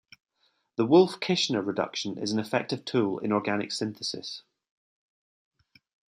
The Wolff-Kishner reduction is an effective tool in organic synthesis.